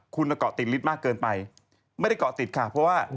คุณเกาะติดฤทธิ์มากเกินไปไม่ได้เกาะติดค่ะเพราะว่า